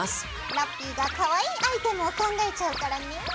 ラッピィがかわいいアイテムを考えちゃうからね。